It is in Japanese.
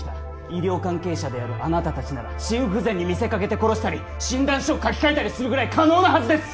医療関係者であるあなた達なら心不全に見せかけて殺したり診断書を書き換えたりするぐらい可能なはずです！